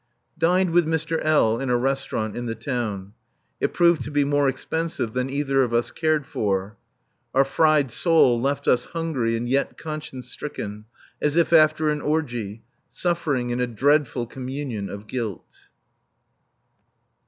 [?] Dined with Mr. L. in a restaurant in the town. It proved to be more expensive than either of us cared for. Our fried sole left us hungry and yet conscience stricken, as if after an orgy, suffering in a dreadful communion of guilt.